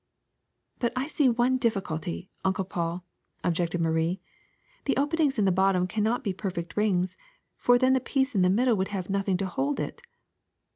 *' But I see one difficulty. Uncle Paul," objected Marie. ^^The ,openings in the bottom cannot be per fect rings, for then the piece in the middle would have nothing to hold it.